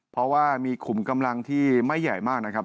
เพราะว่ามีขุมกำลังที่ไม่ใหญ่มากนะครับ